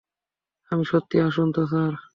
আমি সত্যি- আসুন তো, স্যার।